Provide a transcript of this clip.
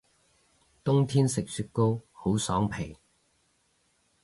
冬天食雪糕好爽皮